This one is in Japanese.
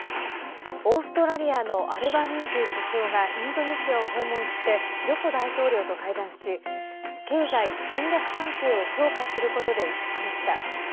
オーストラリアのアルバニージー首相がインドネシアを訪問してジョコ大統領と会談し経済、戦略関係を強化することで一致しました。